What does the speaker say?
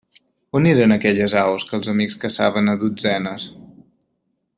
On eren aquelles aus que els amics caçaven a dotzenes?